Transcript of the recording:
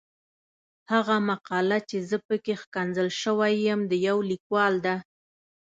هغه مقاله چې زه پکې ښکنځل شوی یم د يو ليکوال ده.